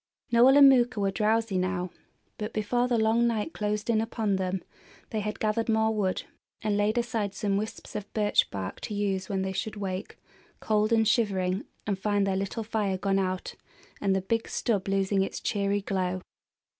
Noel and Mooka were drowsy now; but before the long night closed in upon them they had gathered more wood, and laid aside some wisps of birch bark to use when they should wake, cold and shivering, and find their little fire gone out and the big stub losing its cheery glow.